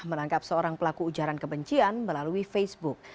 menangkap seorang pelaku ujaran kebencian melalui facebook